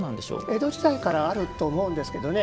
江戸時代からあると思うんですけどね。